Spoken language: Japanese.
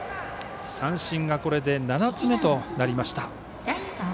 三振がこれで７つ目となりました。